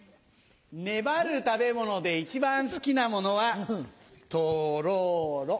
粘る食べ物で一番好きなものはトロロ。